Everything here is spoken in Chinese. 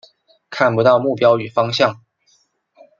看不到目标与方向